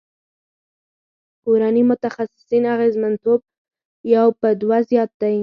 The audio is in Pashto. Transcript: کورني متخصصین اغیزمنتوب یو په دوه زیات دی.